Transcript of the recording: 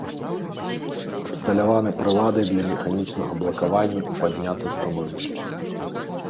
Абсталяваны прыладай для механічнага блакавання ў паднятым становішчы.